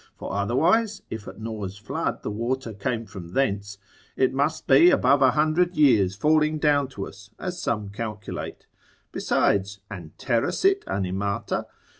for otherwise, if at Noah's flood the water came from thence, it must be above a hundred years falling down to us, as some calculate. Besides, An terra sit animata?